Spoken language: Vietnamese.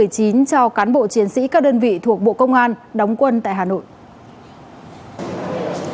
cho cán bộ chiến sĩ các đơn vị thuộc bộ công an đóng quân tại hà nội